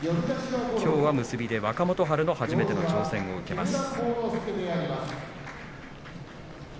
きょうは結びで若元春の初めての挑戦を受けます。